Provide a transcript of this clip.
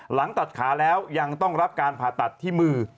หลังตัดขาแล้วยังต้องรับการผ่าตัดที่มือ